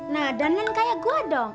nah danin kayak gua dong